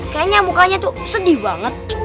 kayaknya mukanya tuh sedih banget